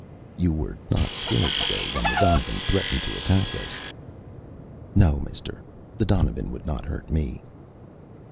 "You were not scared today when the donovan threatened to attack us." "No, mister. The donovan would not hurt me."